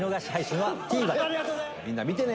みんな見てね！